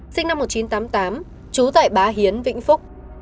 sinh năm một nghìn chín trăm tám mươi tám trú tại bá hiến vĩnh phúc